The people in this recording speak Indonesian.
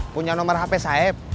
punya nomer hp saeb